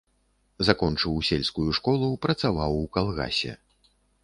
Закончыў сельскую школу, працаваў у калгасе.